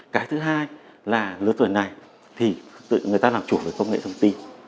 cái thứ hai là lứa tuổi này người ta làm chủ về công nghệ thông tin